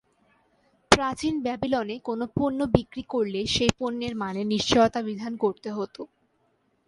প্রাচীন ব্যাবিলনে কোনো পণ্য বিক্রি করলে সেই পণ্যের মানে নিশ্চয়তা বিধান করতে হতো।